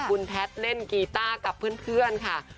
คุณแพทย์เล่นกีต้ากับเพื่อนค่ะ